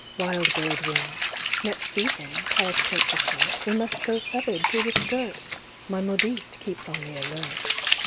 Wild bird wings! Next season, Paris prints assert, We must go feathered to the skirt: My modiste keeps on the alert.